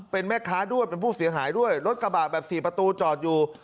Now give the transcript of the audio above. เป็นแม่ค้าด้วยเป็นผู้เสียหายด้วยรถกระบะแบบสี่ประตูจอดอยู่